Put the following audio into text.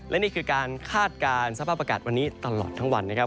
และนี่คือการคาดการณ์สภาพอากาศวันนี้ตลอดทั้งวันนะครับ